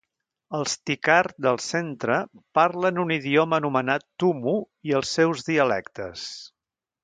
Els Tikar del centre parlen un idioma anomenat tumu i els seus dialectes.